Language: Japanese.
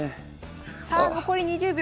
さあ残り２０秒。